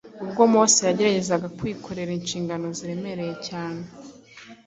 ubwo Mose yageragezaga kwikorera inshingano ziremereye cyane